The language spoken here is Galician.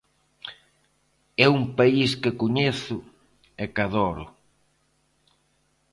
É un país que coñezo e que adoro.